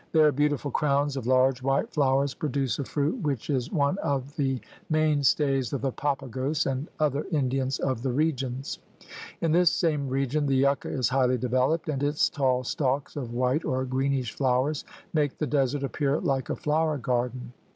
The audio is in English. Their beautiful crowns of large white flowers produce a fruit which is one of the 114 THE RED MAN'S CONTINENT mainstays of the Papagos and other Indians of the regions. In this same region the yucca is highly developed, and its tall stalks of white or greenish flowers make the desert appear like a flower garden.